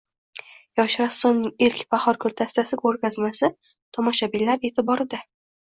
Yosh rassomning ilk Bahor guldastasi ko‘rgazmasi tomoshabinlar e’tiborida